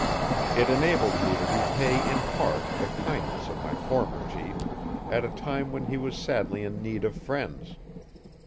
It enabled me to repay in part the kindness of my former chief at a time when he was sadly in need of friends.